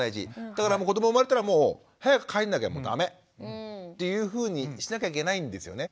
だから子ども生まれたらもう早く帰んなきゃ駄目というふうにしなきゃいけないんですよね。